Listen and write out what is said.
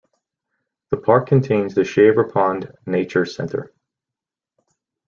The park contains the Shaver Pond Nature Center.